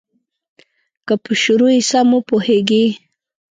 که په شروع یې سم وپوهیږې.